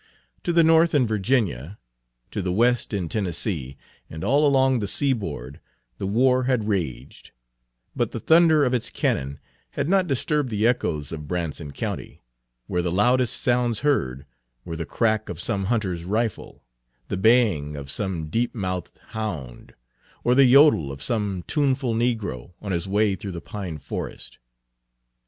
To the north in Virginia, to the west in Tennessee, and all along the seaboard the war had raged; but the thunder of its cannon had not disturbed the echoes of Branson County, where the loudest sounds heard were the crack of some hunter's rifle, the baying of some deep mouthed hound, or the yodel of some tuneful negro on his way through the pine forest.